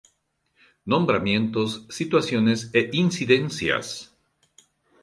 Nombramientos, situaciones e incidencias.